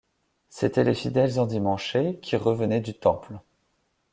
C’étaient les fidèles endimanchés qui revenaient du temple.